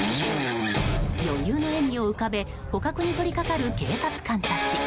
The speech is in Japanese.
余裕の笑みを浮かべ捕獲に取りかかる警察官たち。